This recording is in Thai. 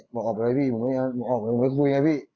บอกออกไปเลยพี่ผมไม่ได้ออกไปเลยผมไม่ได้คุยไงพี่